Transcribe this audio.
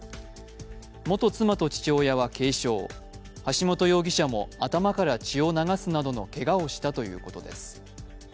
元妻と父親は軽傷、橋本容疑者も頭から血を流すなどのけがをしたということです。